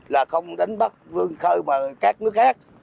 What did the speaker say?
là không đánh bắt vươn khơi mà các nước khác